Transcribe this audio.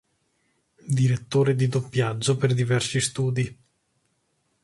Direttore di doppiaggio per diversi Studi.